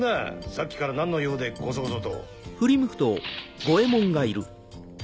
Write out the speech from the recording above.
さっきから何の用でコソコソと。